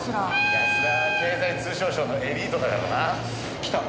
安田は経済通商省のエリートだからな。きた。